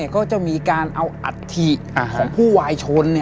ก็จะมีการเอาอัฐิของผู้วายชน